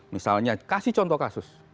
misalnya kasih contoh kasus